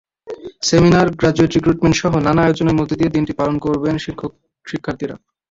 Seminar, graduate রিক্রুটমেন্টসহ নানা আয়োজনের মধ্য দিয়ে দিনটি পালন করবেন শিক্ষক-শিক্ষার্থীরা।